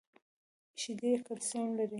شیدې کلسیم لري .